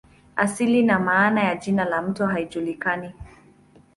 Asili na maana ya jina la mto haijulikani.